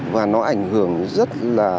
và nó ảnh hưởng rất là